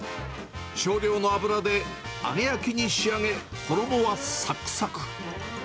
少量の油で揚げ焼きに仕上げ、衣はさくさく。